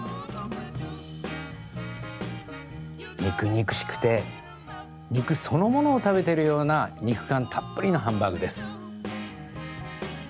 肉肉しくて肉そのものを食べているような肉感たっぷりのハンバーグです。